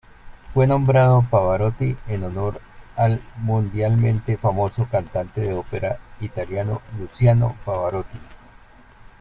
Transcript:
Fue nombrado Pavarotti en honor al mundialmente famoso cantante de ópera italiano Luciano Pavarotti.